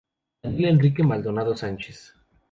Daniel Enrique Maldonado Sánchez.